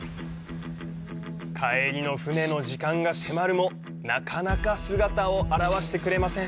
帰りの船の時間が迫るも、なかなか姿を現してくれません。